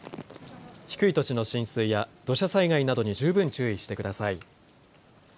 低い土地の浸水や土砂災害などに十分注意してください。